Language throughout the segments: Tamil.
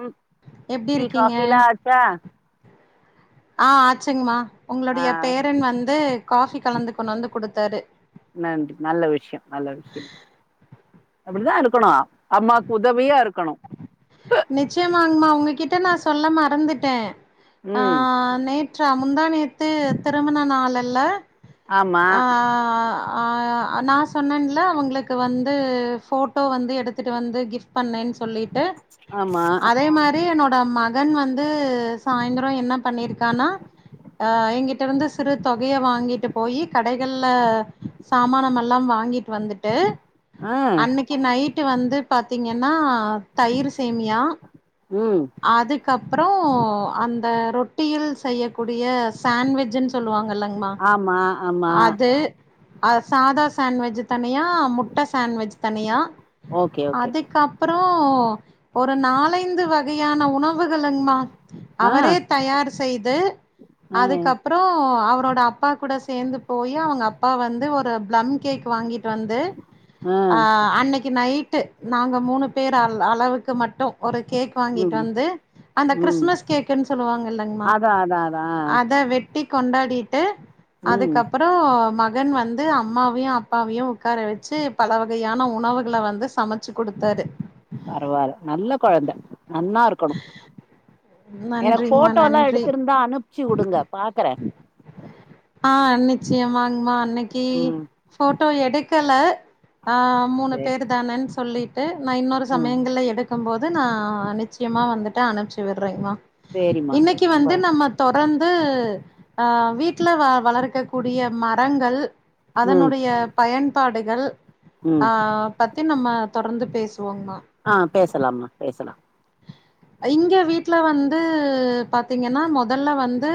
ம் எப்டி டீ இருக்கீங்க காஃபிலா ஆச்சா அ ஆச்சுங்க்மா ஆ உங்களுடைய பேரன் வந்து காஃபி கலந்து கொண்டு வந்து குடுத்தாரு நன்றி நல்ல விஷயோ நல்ல விஷயோ அப்டித்தா இருக்குணு அம்மா உதவியா இருக்கணு நிச்சயமாங்கம்மா உங்ககிட்ட நா சொல்ல மறந்துட்டே அ ம் நேற்றா முந்தாணேத்து திருமண நாளுல ஆமா ஆ ஆ அ நா சொன்னன்ல அவுங்க்ளுக்கு வந்து ஃபோட்டோ வந்து எடுத்துட்டு வந்து கிஃப்ட் பண்ணேன் சொல்லிட்டு ஆமா அதே மாரி என்னோட ம கன் வந்து சாயிந்தரோ என்ன பண்ணிருக்கானா அ எங்கிட்ட வந்து சிறு தொகைய வாங்கிட்டு போயி கடைகள்ல சாமானமெல்லாம் வாங்கிட் வந்துட்டு ஆ அன்னைக் கி நைட்டு வந்து பாத்தீங்கன்னா தயிரு சேமியா ம் அதுக்கப்பறோ அந்த ரொட்டியில் செய்யக்கூடிய சேண்விஜ்ன் சொல்லுவாங்கல்லங் மா ஆமா ஆமா அது அ சாதா சேண்வெஜ் தனியா முட்ட சேண்வெஜ் தனியா ஓகே ஓகே அதுக்கப்பறோ ஒரு நாலைந்து வகையான உண வுகளுங்மா ஆ அவரே தயார் செய்து ம் அதுக்கப் புறோ அவரோட அப்பா கூட சேந்து போயி அவங்க அப்பா வந்து ஒரு பிளம் கேக் வாங்கிட்டு வந்து ஆ அன்னைக்கு நைட்டு நாங்க மூணு பேர் அள் அளவுக்கு மட்டு ஒரு கேக் வாங்கிட்டு ம் வந்து அந்த ம் கிறிஸ்மஸ் கேக்குன் சொல்லுவாங்கள்ளங்மா அதா அதா அதா அத வெட் டி கொண்டாடிட்டு ம் அதுக்கப்பறோ ம கன் வந்து அம்மாவையு அப்பாவையு உக்கார வெச்சு பல வகையான உணவுகள வந்து சமச்சு குடுத்தாரு பரவால்ல நல்ல கொழந்த நன்னா இருக் கணு எனக்கு நன்றிங்கமா ஃபோட்டோலா நன்றி எடுத்துருந்தா அனுப்ச்சு உடுங்க பாக்கற ஆ நிச்சயமாங்மா அன்னைக்கி ம் ஃபோட்டோ எடுக்கல ஆ மூணு சேரி பேரு தானன் சொல்லிட்டு நா இன்னொரு ம் சமயங்கள்ல எடுக்கும்போது நா அனுப்ச் முக்கியமா வந்துட்டு அனுப்ச்சி விற்றேங்மா சேரிம்மா இன்னைக்கு ரொம்ப வந்து நம்ம தொடர்ந்து அ வீட்ல வ வளர்க்கக்கூடிய மரங்கள் ம் அதனுடைய பயன்பாடுகள் ம் ஆ பத்தி நம்ம தொடர்ந்து பேசுவோங்மா ஆ பேசலாம்மா பேசலா இங்க வீட்ல வந்து பாத்தீங்கன்னா மொதல்ல வந்து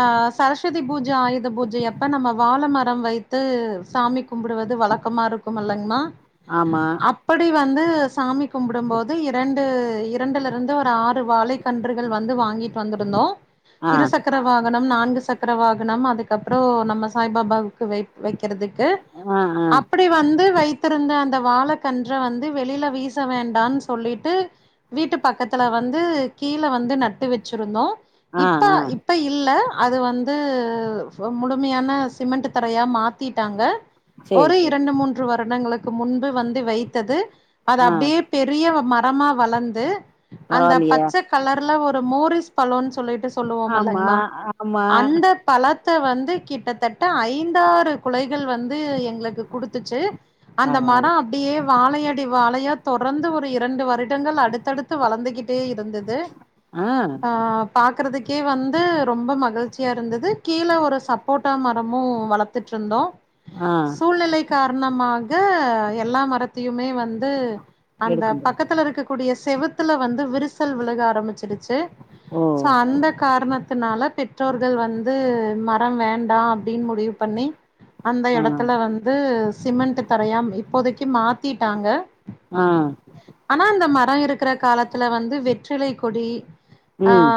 ஆ சரஸ்வதி பூஜ ஆயுத பூஜையப்ப நம்ம வாழ மரம் வைத்து சாமிக் கும்புடுவது வழக்கமா இருக் கும்ல்லங்மா ஆமா அப்படி வந்து சாமி கும்புடும்போது இரண்டு இருந்து ஒரு ஆறு வாழைக்கன்றுகள் வந்து வாங்கிட் வந்திருந்தோ ஆ இருசக்கர வாகனம் நான்கு சக்கர வாகனம் அதுக்கப்புறோ நம்ம சாய்பாபாவுக்கு வை வெக்கிறதுக்கு ஆ ஆ அப்ப படி வந்து வைத்திருந்த அந்த வாழக்கன்ற வந்து வெளியில வீச வேண்டான் சொல்லிட்டு வீட்டு பக்கத்தல வந்து கீழ வந்து நட்டு வெச்சிருந்தோ ஆ இப்ப ஆ இ ப்ப இல்ல அது வந்து முழுமையான சிமெண்ட் தரையா மாத் திட்டாங்க சேரி ஒரு சேரி இரண்டு மூன்று வருடங்களுக்கு முன்பு வந்து வைத்தது அது ஆ அப்டியே பெரிய மரமா வளந்து அந்த பரவாயில்லையே பச்ச கலர்ல ஒரு மோரிஸ் வாழைபழன் சொல்லிட்டு ஆமா சொல்லுவோம்ல்லங்மா ஆமா அந்த பழத்த வந்து கிட்டத்தட்ட ஐந்தாறு குலைகள் வந்து எங்ளுக்கு குடுத்துச்சு அந்த பரவால்ல மரோ அப்டியே வாழையடி வாழையா தொடர்ந்து ஒரு இரண்டு வருடங்கள் அடுத்தடுத் து வளந்துகிட்டே இருந்தது ஆ பாக்றதுக்கே வந்து ரொம்ப மகிழ்ச்சியா இருந்தது கீழே ஒரு சப்போர்ட்டா மரமு வளத் ட்டு இருந்தோ ஆ சூழ்நிலை காரணமாக எல்லா மரத்தையுமே வந் து அந்த எடுக்கும்போது பக்கத்துல இருக்கக்கூடிய செவுத்துல வந்து விரிசல் விழுக ஆரம்பிச்சிடுச் சு ஓ சோ அந்த காரணத் னால பெற்றோர்கள் வந்து மரம் வேண்டா அப்டின் முடிவு பண்ணி அந்த ஆ எடத்துல வந்து சிமெண்ட் தரையா இப்போதைக்கு மாத் திட்டாங்க ஆ ஆனா அந்த மரோ இருக்ற காலத்துல வந்து வெற்றிலை கொடி ஆ ம்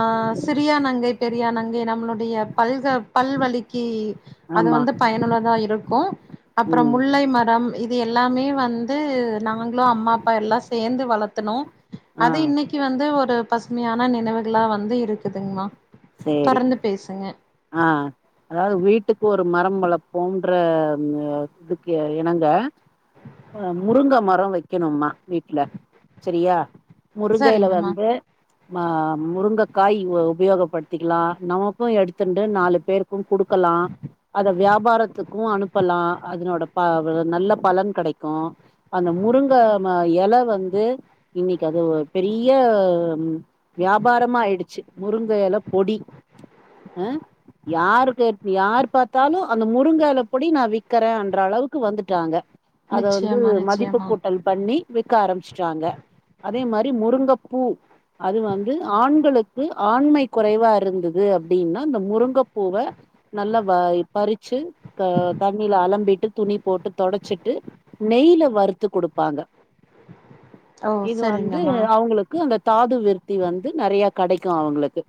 சிறியா நங்கை பெரியா நங்கை நம்மளுடைய பல்க பல்வலிக்கி அது ஆமா வந்து பயனுள்ளதா இருக்கு அப்றோ ம் முல்லை மரம் இது எல்லாமே வந்து நாங்ளு அம்மா அப்பா எல்லா சேந்து வளத்துனோ ஆ அது இன்னைக்கு வந்து ஒரு பசுமையான நினைவுகளா வந்து இருக்குதுங்மா சேரி தொடர்ந்து பேசுங்க ஆ அதாவது வீட்டுக்கு ஒரு மரம் வளர்ப்போம்ன்ற இதுக்கு இணங்க முருங்க மரோ வைக்கணும்மா வீட்ல செரியா முருங்கையில சரிங்கம்மா வந்து ம முருங்கக்காய் உபயோகப்பட் திக்லா நமக்கு எடுத்துண்டு நாலு பேருக்கு குடுக்கலா அத வியாபாரத்துக்கு அனுப்பலா அதனோட ப நல்ல பலன் கெடைக்கு அந்த முருங்க ம எல வந்து இன்னைக்கு அது ஒரு பெரிய வியாபாரமா ஆயிடுச்சு முருங்க எல பொடி அ யாரு கேட் யார் பாத்தாலு அந்த முருங்க எல பொடி நா விக்கறேன்ற அளவுக்கு வந்துட்டாங்க அத வந்து நிச்சயமா மதிப்பு நிச்சயமா கூட்டல் பண்ணி விக்க ஆரம்பிச்ட்டாங்க அதே மாரி முருங்கப்பூ அது வந்து ஆண்களுக்கு ஆண்மை குறைவா இருந்தது அப்டின்னா இந்த முருங்கப்பூவ நல்லா வ பறிச்சு அ தண்ணில அலம்பிட்டு துணி போட்டு தொடச்சிட்டு நெய்ல வறுத்து குடுப்பாங்க ஓ இது வந்து சரிங்கம்மா அவுங்ளுக் கு அந்த தாது விருத்தி வந்து நறைய கெடைக்கு அவுங்ளுக்கு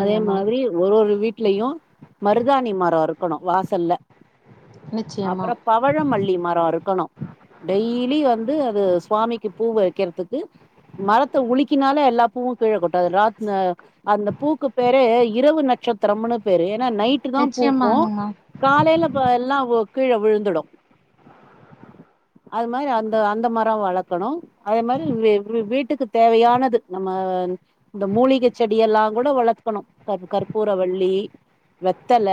அதே மாதிரி ஒரு ஒரு வீட்லயு மருதாணி மரோ இருக்கனு வாசல்ல நிச்சயமா அப்றோ பவளமல்லி மரோ இருக்கணு டெய்லி வந்து அது ஸ்வாமிக்கு பூ வக்கிறதுக்கு மரத்த உலுக்கினாலே எல்லா பூவு கீழே கொட்டாது ராத் ன்னா அந்த பூக்கு பேரு இரவு நட்சத்திரம்னு பேரு ஏன்னா நை ட்டு தா பூக்கு நிச்சயமாங்கம்மா காலேல ப எல்லா உ கீழ விழுந்துடு அது மாரி அந்த அந்த மரோ வளக்கணு அதே மாரி வெ வீட்டுக்கு தேவையானது நம்ம இந்த மூலிகச் செடி எல்லாங் கூட வளக்கணு க கற்பூர வள்ளி வெத்தல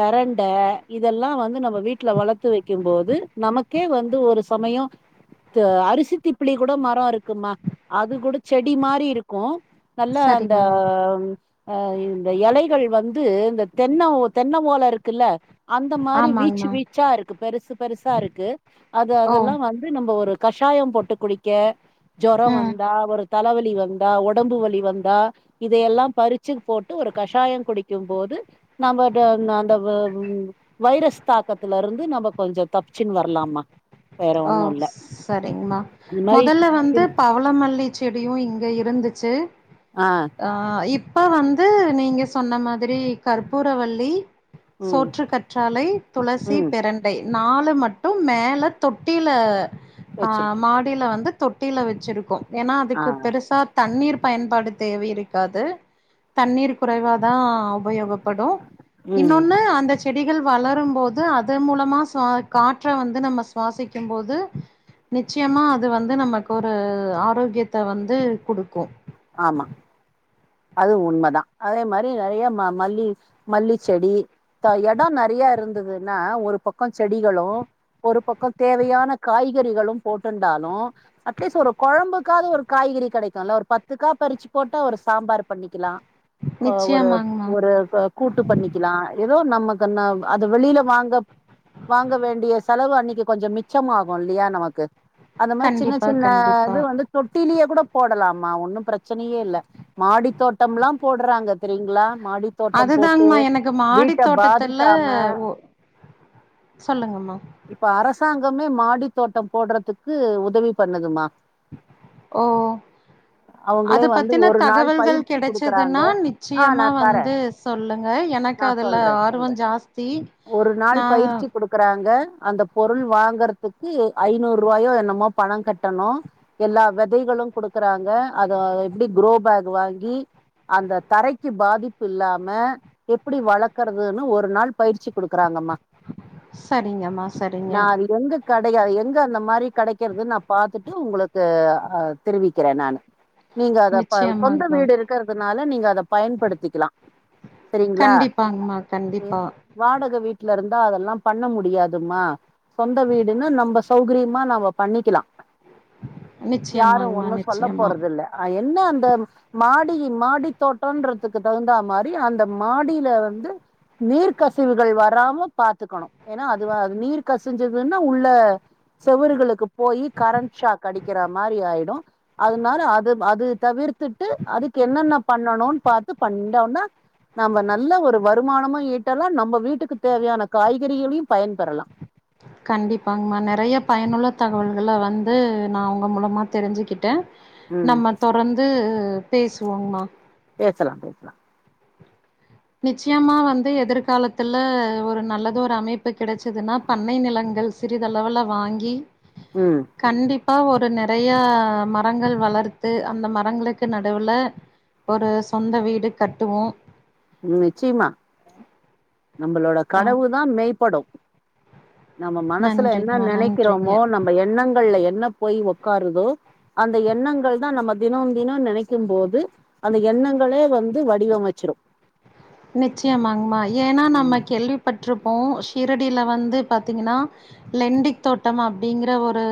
பெரண்ட இதெல்லா வந்து நம்ம வீட்ல வளத்து வைக்கு போது நமக் கே வந்து ஒரு சமயோ த அரிசி திப்லி கூட மரோ இருக்குமா அது கூட செடி மாரி இருக்கு நல்லா அந்த சரிங்கம்மா அ இந்த எலைகள் வந்து இந்த தென்ன ஓ தென்ன ஓல இருக்குல்ல அந்த மாரி வீச்சு ஆமாங்கம்மா வீச்சா இருக்கு பெருசு பெருசா இருக்கு அது ஓ அதெல்லா வந் து நம்ப ஒரு கஷாயோ போட்டு குடிக்க ஜொரொ ம் வந்தா ஒரு தலவலி வந்தா ஒட ஒடம்பு வலி வந்தா இதையெல்லா பறிச்சு போட்டு ஒரு கஷாயோ குடிக்குபோது நம்ப ட ந அந்த வ ம் வைரஸ் தாக்கத்துலருந்து நம்ப கொஞ்சோ தப்பிச்சின் வரலாம்மா ஓ சரிங்கம்மா அது மொதல்ல மாரி வந்து பவ ள மல்லிச் செடியு இங்க இருந்துச்சி ஆ ஆ இப்ப வந்து நீங்க சொன்ன மாதிரி கற்பூரவல்லி ம் சோற்றுக் கற்றாழை துளசி ம் பெரண்டை நாலு மட்டு மேல தொட்டியில ஆ வச்சிருக்கே மா டியில வந்து தொட்டியில வச்சிருக்கோ ஏனா ஆ அதுக்குப் பெருசா தண்ணீர் பயன்பாடு தேவை இருக்காது தண்ணீர் குறைவா தா உபயோகப்படு ம் இன்னொன்னு அந்தச் செடிகள் வளரு போது அது மூலமா சுவா காற்ற வந்து நம்ம சுவாசிக்கு போது நிச்சியமா அது வந்து நமக்கு ஒரு ஆரோக்கியத்த வந்து குடுக்கு ஆமா அது உண்ம தா அதே மாரி நெறைய ம மல்லி மல்லிச் செடி த எடோ நெறைய இருந்ததுன்னா ஒரு பக்கோ செடிகளு ஒரு பக்கோ தேவையான காய்கறிகளு போட்டுன்டாலு அட்லீஸ் ஒரு கொழம்புக்காவது ஒரு காய்கறி கெடைக்குல்ல ஒரு பத்துக்கா பறிச்சி போட்டா ஒரு சாம்பார் பண்ணிக்கலா அ ஒரு நிச்சயமாங்மா ஒரு க கூட்டு பண்ணிக்கிலா ஏதோ நமக்கு ந அத வெளியில வாங்க வாங்க வேண்டிய செலவு அன்னக்கி கொஞ்சோ மிச்சமாகு இல்லியா நமக்கு அந்த மாரி சின்னச் கண்டிப்பா சின்ன கண்டிப்பா இது வந்து தொட்டிலியே கூட போடலாம்மா ஒன்னு பிரச்சனையே இல்ல மாடி தோட்டம்ல்லாம் போட்றாங்க தெரியுங்ளா மாடி தோட்டம் அது போட்டு தாங்ம்மா எனக்கு மாடி வீட்ட தோட்டத்துல பாதிக்காம ஒ சொல்லுங்கம்மா இப்ப அரசாங்கமே மாடித் தோட்டம் போட்றதுக்கு உதவி பண்ணுதும்மா ஓ அவங்களே அது வந்து பத்தின ஒரு நாள் தகவல்கள் பயிற்சி குடுக்குறாங்க கெடச்சதுன்னா ஆ நிச்சயமா நா தரே வந்து சொல்லுங்க எனக்கு நா அதுல சொல்றே ஆர்வ சொல்றே ஜாஸ்தி ஒரு நாள் நா பயிற்சிப் குடுக்கறாங்க அந்தப் பொருள் வாங்கறதுக்கு ஐநூறு ரூவாயோ என்னமோ பணோ கட்டணு எல்லா வெதைகளு குடுக்கறாங்க அத எப்டி க்ரோ பேக் வாங்கி அந்த தரைக்கு பாதிப் இல்லாம எப்டி வளக்கறதுன்னு ஒரு நாள் பயிற்சி குடுக்கறாங்கம்மா சரிங்கம்மா சரிங்க நா அது எங்க கடையா எங்க அந்த மாரி கெடைக்கறது நா பாத்துட்டு உங்களுக்கு அ தெரிவிக்கிற நானு நீங்க அதப் ப சொந்த நிச்சயமாங்கமா வீடு இருக் கறதுனால நீங்க அத பயன்படுத்திக்லா சரிங்ளா கண்டிப்பாங்கமா கண்டிப்பா வாடக வீட்ல இருந்தா அதெல்லா பண்ண முடியாதும்மா சொந்த வீடுன்னு நம்ப சௌகரியமா நாம பண்ணிக்கலா யாரு நிச்சயமாங்கமா ஒன்னு சொல்ல நிச்சயமா போறதில்ல அ என்ன அந்த மா டி மாடி தோட்டன்றதுக்கு தகுந்தா மாரி அந்த மாடிலருந்து நீர் கசிவுகள் வராம பாத்துக்கணு ஏனா அதுவா நீர் கசிஞ்சதுனா உள்ள செவுறுகளுக்கு போயி கரண் ஷாக் அடிக்கிற மாரி ஆயிடு அதனால அது அது தவிர்த்துட்டு அது என்னென்ன பண்ணணுனு பாத்து பண்டானு நாம்ம நல்ல ஒரு வருமானமு ஈட்டலா நம்ப வீட்டுக்கு தேவையான காய்கறிகளையு பயன்பெறலா கண்டிப்பாங்கமா நெறைய பயனுள்ள தகவல்கள வந்து நா உங்க மூலமா தெரிஞ்ஜிக்கிட்ட ம் நம்ம தொடர்ந்து பேசுவோங்கமா பேசலா பேசலா நிச்சயமா வந்து எதிர்காலத்தல ஒரு நல்லது ஒரு அமைப்பு கெடைச்சதுன்னா பண்ணை நிலங்கள் சிறிதளவல வாங்கி ம் கண்டிப்பா ஒரு நெறையா மரங்கள் வளர்த்து அந்த மரங்களுக்கு நடுவுல ஒரு சொந்த வீடு கட்டுவோ நிச்சயமா நம்மளோட ஆ கனவுதா மெய்ப்படு நம்ம மனசுல என்ன நன்றிங்கமா நன்றிங்க நெனைக்கிறமோ நம்ம எண்ணங்கள்ல என்ன போய் ஒக்காருதோ அந்த எண்ணங்கள் தா நம்ம தினோ தினோ நெனைக்கு போது அந்த எண்ணங்களே வந்து வடிவமைச்சிரு நிச்சயமாங்மா ஏன்னா நம்ம ம் கேள்விப்பட்டிருப்போ ஷீரடியில வந்து பாத்தீங்கன்னா லெண்டி தோட்டோ அப்டிங்கிற ஒரு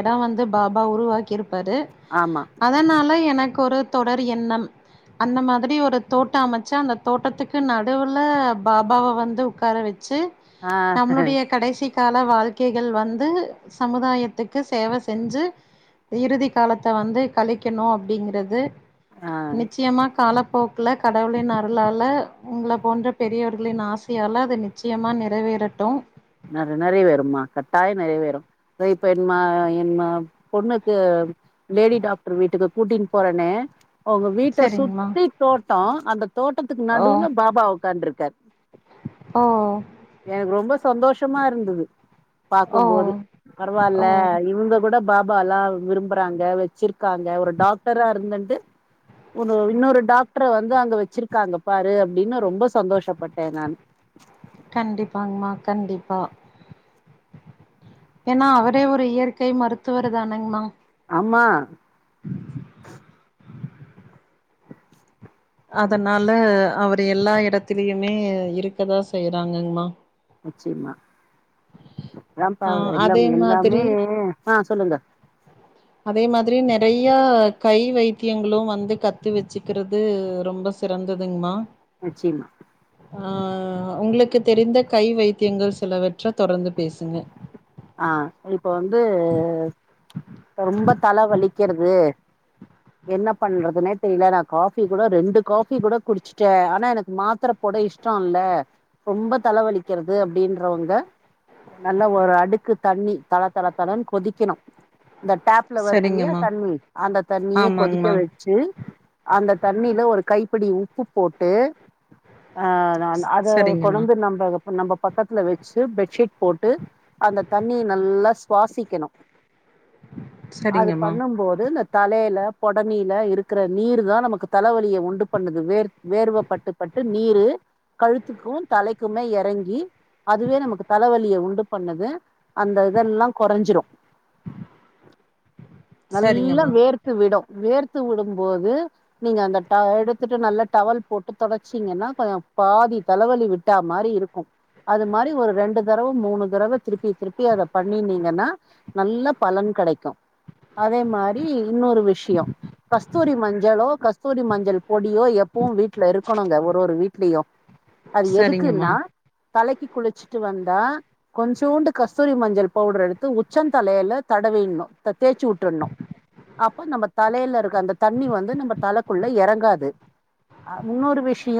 எடோ வந்து பாபா உருவாக்கிருப்பாரு ஆமா அதனால எனக்கு ஒரு தொடர் எண்ணம் அந்த மாதிரி ஒரு தோட்ட அமைச்சா அந்த தோட்டத்துக்கு நடுவுல பாபாவ வந்து உக்கார வச்சி ஆ நம்ளுடைய கடைசி கால வாழ்க்கைகள் வந்து சமுதாயத்துக்கு சேவ செஞ்சு இறுதி காலத்த வந்து கழிக்கணு அப்டிங்கிறது ஆ நிச்சிமா காலப்போக்குல கடவுளின் அ அருளால உங்கள போன்ற பெரியவர்களின் ஆசியால அது நிச்சயமா நெறைவேறட்டு நெற நெறை வேறுமா கட்டாயோ நெறை வேறு இப்ப என்மா என்மா பொண்ணுக்கு லேடி டாக்டர் வீட்டுக்கு கூட்டின்னு போறனு அவுங்க வீட்ட சரிங்மா சுத்தி தோட்டோ அந்த தோட்டத்துக்கு ஓ நடுவுல பாபா உட்காண்டிருக்காரு ஓ எனக்கு ரொம்ப சந்தோஷமா இருந்தது ஓ பாக்கும்போது பரவால்ல ஓ இவங்க கூட பாபால்லா விரும்புறாங்க வெச்சிருக்காங்க ஒரு டாக்டரா இருந்துண்டு ஒரு இன்னொரு டாக்டர வந்து அங்க வெச்சிருக்காங்க பாரு அப்டின்னு ரொம்ப சந்தோஷப்பட்டே நானு கண்டிப்பாங்கமா கண்டிப்பா ஏன்னா அவரே ஒரு இயற்கை மருத்துவர் தானங்கமா ஆம்மா அதனால அவரு எல்லா எடத்திலியுமே இருக்கதா செய்யறாங்கங்மா நிச்சியமா அதாபா ஆ எல்லாம் அதே எல்லாமே மாதிரி ஆ சொல்லுங்க அதே மாதிரி நெறைய கை வைத்தியங்களு வந்து கத்து வேச்சுக்குறது ரொம்ப சிறந்ததுங்மா நிச்சியமா ஆ உங்களுக்கு தெரிந்த கை வைத்தியங்கள் சிலவற்ற தொடர்ந்து பேசுங்க ஆ இப்ப வந்து ரொம்ப தல வலிக்கிறது என்ன பண்றதுனே தெரில நா காபி கூட ரெண்டு காபி கூட குடிச்சட்டே ஆனா எனக்கு மாத்தர போட இஷ்டோ இல்ல ரொம்ப தலவலிக்கிறது அப்டின்றவங்க நல்ல ஒரு அடுக்கு தண்ணி தள தள தளன்னு கொதிக்கணு இந்த டாப் புல வருது இல்லயா சரிங்கம்மா தண்ணி அந்த தண்ணிய கொதிக்க ஆமாங்மா வை ச்சு அந்த தண்ணில ஒரு கைப்புடி உப்பு போட்டு அ அத சரிங்கம்மா கொனாந்து நம்ப நம்ப பக்கத்துல வச்சு பெட்ஷீட் போட்டு அந்த தண்ணிய நல்லா சுவாசிக்கணு அது சரிங்கம்மா பண்ணும்போது இந்த தலையில பொடனில இருக்கற நீர் தா நமக்கு தலவலிய உண்டு பண்ணுது வேர் வேர்வப்பட்டு பட்டு நீரு கழுத்துக்கு தலைக்குமே எறங்கி அதுவே நமக்கு தலவலிய உண்டு பண்ணுது அந்த இதெல்லா கொறஞ்சிரு நல்லா சரிங்கம்மா வேர் த்துவிடு வேர்த்து விடும்போது நீங்க அந்த டா எடுத்துட்டு நல்ல டவல் போட்டு தொடச்சீங்கன்னா கொஞ்சோ பாதி தலவலி வி ட்டா மாரி இருக்கு அது மாரி ஒரு ரெண்டு தடவ மூணு தடவ திருப்பி திருப் பி அத பண்ணினீங்கன்னா நல்ல பலன் கடைக்கு அதே மாரி இன்னொரு விஷ்யோ கஸ்தூரி மஞ்சளோ கஸ்தூரி மஞ்சள் பொடியோ எப்பவு வீட்ல இருக்கணுங்க ஒரு ஒரு வீட்லியு அது சரிங்கம்மா எதுக்குன்னா தலைக்கு குளிச்சுட்டு வந்தா கொஞ்சோண்டு கஸ்தூரி மஞ்சள் பவுடர் எடுத்து உச்சன்ந்தலையல தடவிணு தேச்சு உற்றனு அப்ப நம்ப தலையில இருக்க அந்த தண்ணி வந்து நம்ப தலைக்குள்ள எறங்காது ஆ இன்னொரு விஷ்யோ